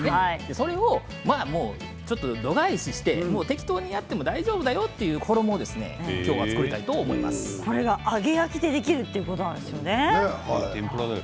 それをちょっと度外視して適当にやっても大丈夫だよというこれは揚げ焼きでできるということなんです。